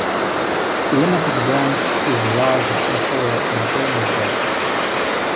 Limited Brands is the largest employer in Reynoldsburg.